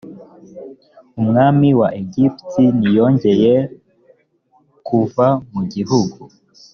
umwami wa egiputa ntiyongeye h kuva mu gihugu